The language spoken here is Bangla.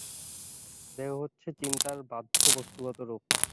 দেহ হচ্ছে চিন্তার বাহ্য বস্তুগত রূপ।